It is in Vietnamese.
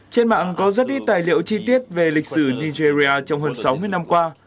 trên mạng có rất ít tài liệu chi tiết về lịch sử nigeria trong hơn sáu mươi năm qua